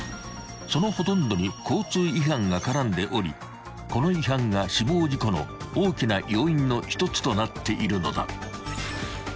［そのほとんどに交通違反が絡んでおりこの違反が死亡事故の大きな要因の１つとなっているのだ］